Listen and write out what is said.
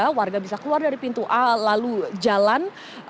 lelah phiara bisa keluar dari pintu a lalu jalan